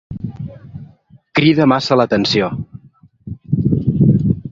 Crida massa l'atenció.